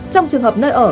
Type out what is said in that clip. trong trường hợp nơi ở